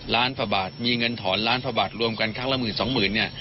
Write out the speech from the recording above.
ล้านกว่าบาทมีเงินถอนล้านพระบาทรวมกันครั้งละหมื่นสองหมื่นเนี่ย